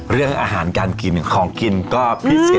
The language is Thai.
เรื่องอาหารการกินของกินก็พิเศษ